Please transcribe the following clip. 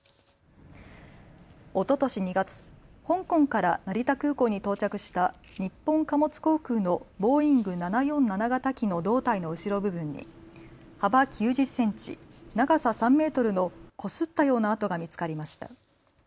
おととし２月、香港から成田空港に到着した日本貨物航空のボーイング７４７型機の胴体の後ろ部分に幅９０センチ、長さ３メートルのこすったような跡が見つかりました。